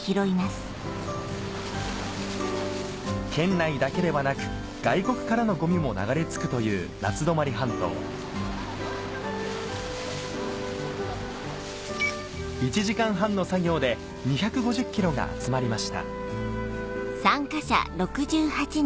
県内だけではなく外国からのゴミも流れ着くという夏泊半島１時間半の作業で２５０ｋｇが集まりました